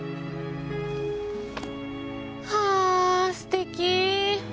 はあすてき。